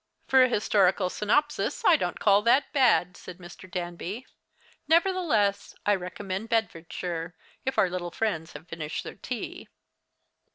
"For an historical synopsis I don't call that bad," said Mr. Danby; "nevertheless, I recommend Bedfordshire if our little friends have finished their tea."